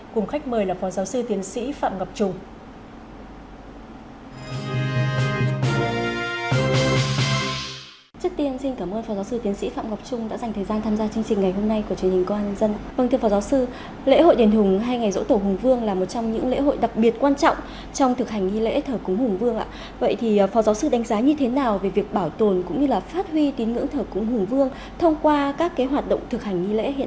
cùng khách mời là phó giáo sư tiến sĩ phạm ngọc trung